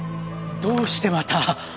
どうしてまた。